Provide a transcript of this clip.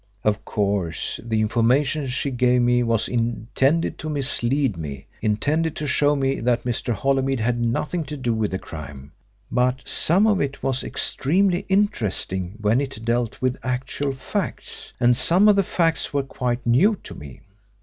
Of course, the information she gave me was intended to mislead me intended to show me that Mr. Holymead had nothing to do with the crime. But some of it was extremely interesting when it dealt with actual facts, and some of the facts were quite new to me.